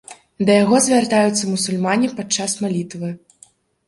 Да яго звяртаюцца мусульмане падчас малітвы.